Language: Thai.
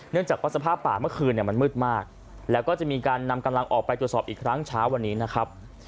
จากว่าสภาพป่าเมื่อคืนมันมืดมากแล้วก็จะมีการนำกำลังออกไปตรวจสอบอีกครั้งเช้าวันนี้นะครับ